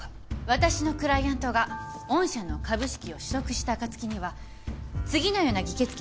私のクライアントが御社の株式を取得した暁には次のような議決権を行使する予定です。